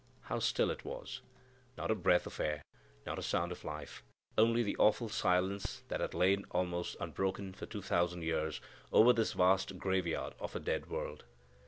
How still it was! Not a breath of air, not a sound of life; only the awful silence that had lain almost unbroken for two thousand years over this vast graveyard of a dead world.